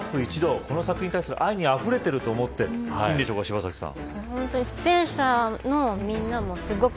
スタッフ一同この作品に対する愛にあふれていると思っていいんでしょうか柴咲さん。